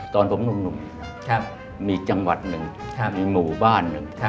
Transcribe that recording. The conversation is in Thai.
ตอนผมหนุ่มมีจังหวัดหนึ่งมีหมู่บ้านหนึ่ง